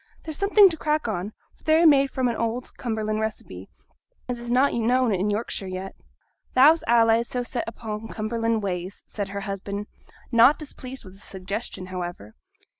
They're something to crack on, for they are made fra' an old Cumberland receipt, as is not known i' Yorkshire yet.' 'Thou's allays so set upo' Cumberland ways!' said her husband, not displeased with the suggestion, however.